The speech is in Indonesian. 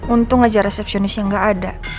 untung aja resepsionisnya gak ada